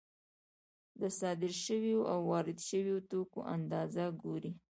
د صادر شویو او وارد شویو توکو اندازه ګوري